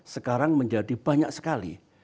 sekarang menjadi banyak sekali